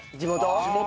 地元？